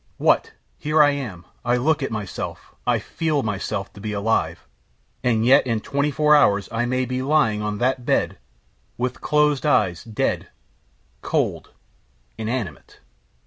What! Here I am, I look at myself, I feel myself to be alive and yet in twenty four hours I may be lying on that bed, with closed eyes, dead, cold, inanimate."